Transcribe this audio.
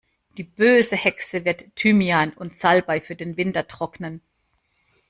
Die böse Hexe wird Thymian und Salbei für den Winter trocknen.